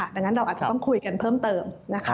ดังนั้นเราอาจจะต้องคุยกันเพิ่มเติมนะคะ